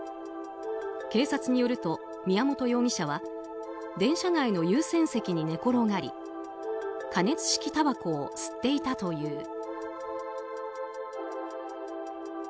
警察によると、宮本容疑者は電車内の優先席に寝転がり加熱式たばこを吸っていたという。